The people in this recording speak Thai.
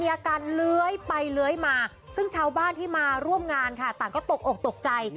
อาการเลื้อยไปเลื้อยมาซึ่งชาวบ้านที่มาร่วมงานค่ะต่างก็ตกอกตกใจ